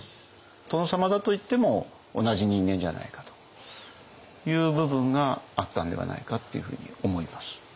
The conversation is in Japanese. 殿様だといっても同じ人間じゃないかという部分があったんではないかっていうふうに思います。